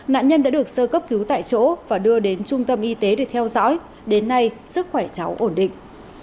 nạn nhân đã được sơ cấp cứu tại chỗ và đưa đến trung tâm y tế để theo dõi đến nay sức khỏe cháu ổn định